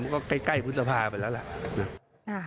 มันก็ใกล้ภูมิภภาคมปีไปแล้วล่ะ